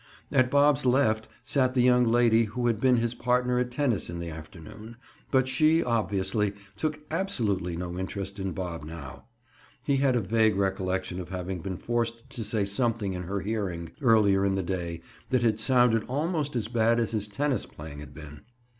At Bob's left sat the young lady who had been his partner at tennis in the afternoon but she, obviously, took absolutely no interest in Bob now. He had a vague recollection of having been forced to say something in her hearing, earlier in the day, that had sounded almost as bad as his tennis playing had been.